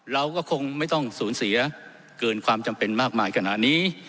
เราก็คงไม่ต้องสูญเสียเกินความจำเป็นมากมายขนาดนี้